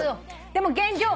でも現状